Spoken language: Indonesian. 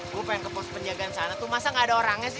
gue pengen ke pos penjagaan sana tuh masa gak ada orangnya sih